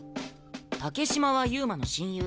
竹島は遊馬の親友。